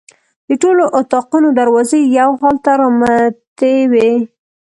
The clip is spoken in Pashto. د ټولو اطاقونو دروازې یو حال ته رامتې وې.